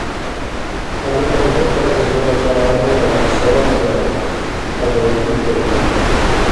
حضرت ابوبکر رض نہ سِواں کریا ادائیگی کریائ